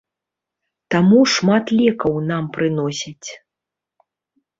Таму шмат лекаў нам прыносяць.